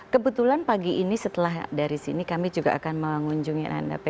kebetulan pagi ini setelah dari sini kami juga akan mengunjungi anak anak pi